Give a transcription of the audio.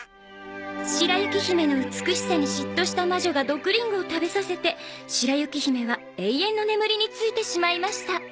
「白雪姫の美しさに嫉妬した魔女が毒りんごを食べさせて白雪姫は永遠の眠りについてしまいました」